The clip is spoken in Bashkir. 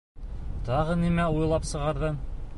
Тағы нимә уйлап сығарҙың?